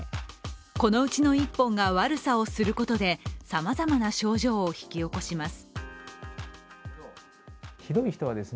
このうちの一本が悪さをすることでさまざまな症状を引き起こします。